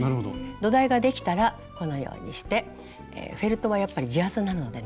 土台ができたらこのようにしてフェルトはやっぱり地厚なのでね